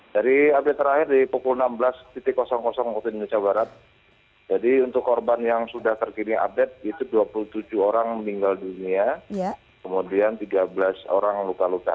dari update terakhir di pukul enam belas waktu indonesia barat jadi untuk korban yang sudah terkini update itu dua puluh tujuh orang meninggal dunia kemudian tiga belas orang luka luka